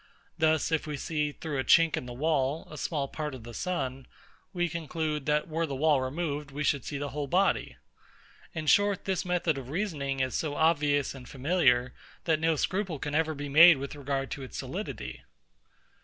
Thus, if we see, through a chink in a wall, a small part of the sun, we conclude, that, were the wall removed, we should see the whole body. In short, this method of reasoning is so obvious and familiar, that no scruple can ever be made with regard to its solidity.